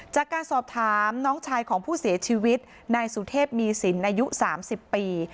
จากการสอบถามน้องชายของผู้เสียชีวิตนายสุเทพมีสินอายุ๓๐ปี